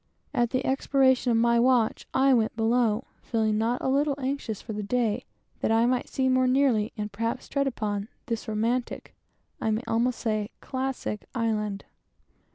At the expiration of my watch I went below, feeling not a little anxious for the day, that I might see more nearly, and perhaps tread upon, this romantic, I may almost say, classic island.